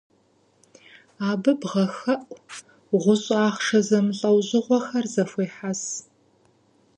Абы бгъэхэӏу, гъущӏ ахъшэ зэмылӏэужьыгъуэхэр зэхуехьэс.